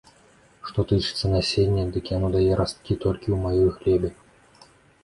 Што тычыцца насення, дык яно дае расткі толькі ў маёй глебе.